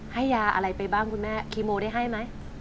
ให้ยาอะไรไปบ้างคุณแม่คีโมได้ให้ไหม